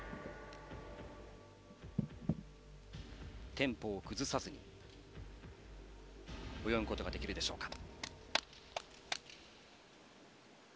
テンポを崩さず泳ぐことができるでしょうか。